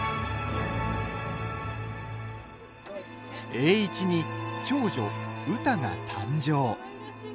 栄一に長女うたが誕生。